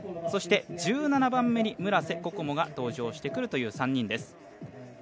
そして１７番目に村瀬心椛が登場してくるという３人です。